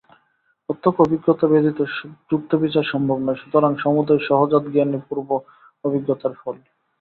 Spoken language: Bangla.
প্রত্যক্ষ অভিজ্ঞতা ব্যতীত যুক্তিবিচার সম্ভব নয়, সুতরাং সমুদয় সহজাত জ্ঞানই পূর্ব অভিজ্ঞতার ফল।